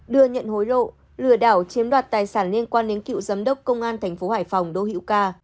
đưa nhận hối lộ lừa đảo chiếm đoạt tài sản liên quan đến cựu giám đốc công an tp hải phòng đô hữu ca